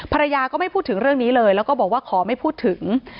ภรรยาก็ไม่พูดถึงเรื่องนี้เลยแล้วก็บอกว่าขอไม่พูดถึง